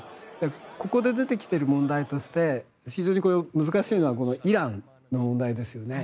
ここで出てきている問題として非常に難しいのはイランの問題ですよね。